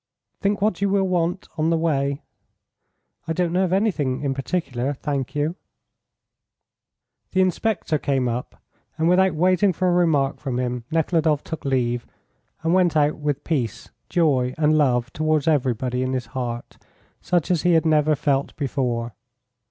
"Think what you will want on the way " "I don't know of anything in particular, thank you." The inspector came up, and without waiting for a remark from him Nekhludoff took leave, and went out with peace, joy, and love towards everybody in his heart such as he had never felt before.